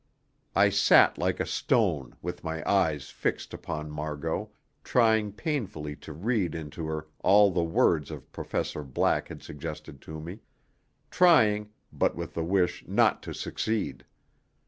I sat like a stone, with my eyes fixed upon Margot, trying painfully to read into her all that the words of Professor Black had suggested to me trying, but with the wish not to succeed.